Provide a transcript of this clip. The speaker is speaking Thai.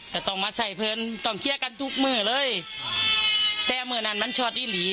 จะต้องมาใส่เพลินต้องเคลียร์กันทุกมือเลยแต่มือนั้นมันชอดอีหลี